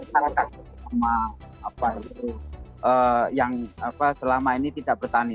karena itu adalah perusahaan yang selama ini tidak bertani